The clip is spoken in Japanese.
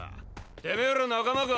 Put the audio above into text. てめぇら仲間か？